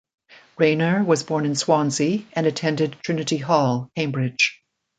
Raynor was born in Swansea and attended Trinity Hall, Cambridge.